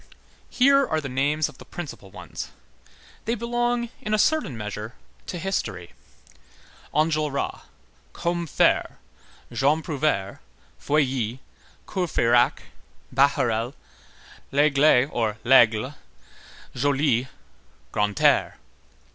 Here are the names of the principal ones. They belong, in a certain measure, to history: Enjolras, Combeferre, Jean Prouvaire, Feuilly, Courfeyrac, Bahorel, Lesgle or Laigle, Joly, Grantaire.